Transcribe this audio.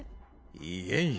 いえいえ。